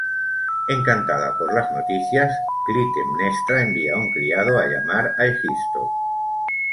Encantada por las noticias, Clitemnestra envía a un criado a llamar a Egisto.